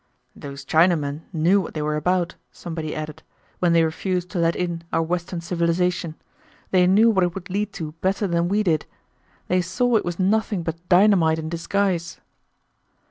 "Those Chinamen knew what they were about," somebody added, "when they refused to let in our western civilization. They knew what it would lead to better than we did. They saw it was nothing but dynamite in disguise."